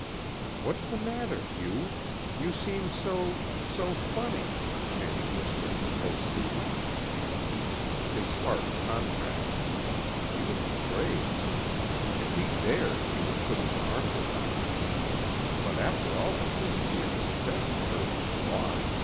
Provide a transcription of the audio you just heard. "What's the matter, Hugh? You seem so ... so funny," Fanny whispered close to him. His heart contracted. He was afraid. If he dared he would put his arms around her. But after all the things he had confessed to her in their walk....